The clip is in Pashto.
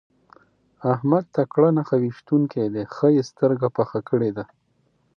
احمد تکړه نښه ويشتونکی دی؛ ښه يې سترګه پخه کړې ده.